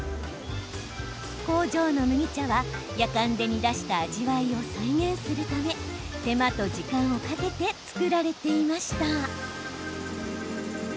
工場の麦茶はやかんで煮出した味わいを再現するため手間と時間をかけて作られていました。